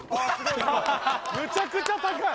むちゃくちゃ高い。